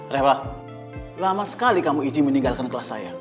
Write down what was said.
reva lama sekali kamu izin meninggalkan kelas saya